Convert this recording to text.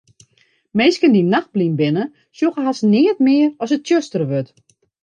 Minsken dy't nachtblyn binne, sjogge hast neat mear as it tsjuster wurdt.